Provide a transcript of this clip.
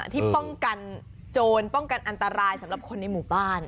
ที่ป้องกันโจรป้องกันอันตรายสำหรับคนในหมู่บ้าน